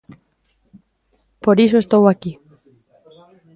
Por iso estou aquí.